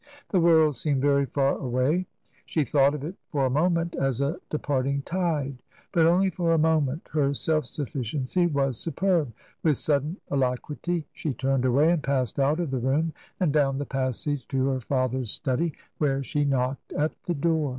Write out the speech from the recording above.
The world seemed very far away ; she thought of it for a moment as a departing tide. But only for a mo ment. Her self sufficiency was superb. With sudden alacrity she turned away and passed out of the room and down the passage to her father's study, where she knocked at the door.